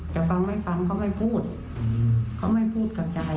จะฟังไม่ฟังเขาไม่พูด